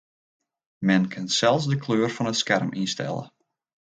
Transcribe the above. Men kin sels de kleur fan it skerm ynstelle.